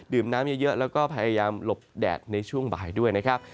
น้ำเยอะแล้วก็พยายามหลบแดดในช่วงบ่ายด้วยนะครับ